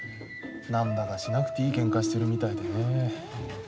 何だかしなくていいけんかをしてるみたいでね。